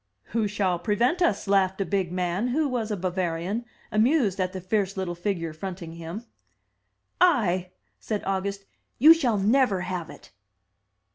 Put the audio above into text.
' "Who shall prevent us?" laughed a big man, who was a Bavarian, amused at the fierce little figure fronting him. "I!" said August. "You shall never have it!"